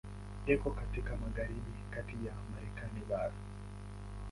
Iko katika magharibi kati ya Marekani bara.